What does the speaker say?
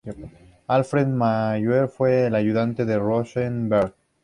Alfred Meyer fue el ayudante de Rosenberg.